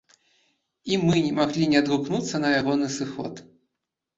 І мы не маглі не адгукнуцца на ягоны сыход.